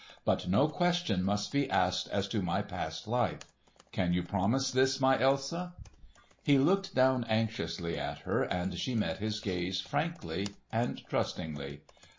But no question must be asked as to my past life. Can you promise this, my Elsa?" He looked down anxiously at her, and she met his gaze frankly and trustingly.